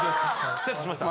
セットしました。